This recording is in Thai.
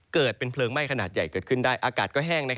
เกิดเป็นเพลิงไหม้ขนาดใหญ่เกิดขึ้นได้อากาศก็แห้ง